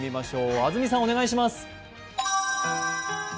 安住さんお願いします。